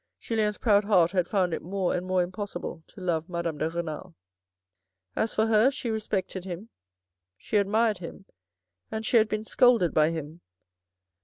Julien's proud heart had found it more and more impossible to love Madame de Renal. As for her, she respected him, she admired him, and she had been scolded by him.